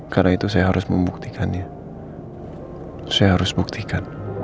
saya takut reyna adalah bagian dari prasetya